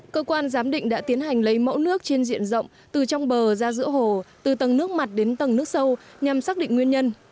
cơ quan giám định đã tiến hành lấy mẫu nước trên diện rộng từ trong bờ ra giữa hồ từ tầng nước mặt đến tầng nước sâu nhằm xác định nguyên nhân